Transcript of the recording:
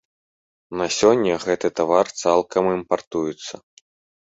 На сёння гэты тавар цалкам імпартуецца.